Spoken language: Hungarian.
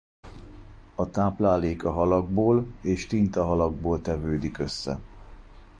A tápláléka halakból és tintahalakból tevődik össze.